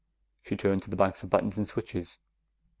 She turned to the banks of buttons and switches.